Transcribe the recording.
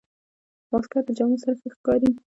واسکټ د جامو سره ښه ښکاري.